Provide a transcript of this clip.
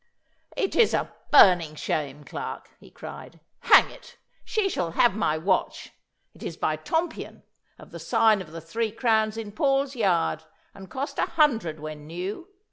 'It is a burning shame, Clarke,' he cried. 'Hang it, she shall have my watch. It is by Tompion, of the sign of the Three Crowns in Paul's Yard, and cost a hundred when new.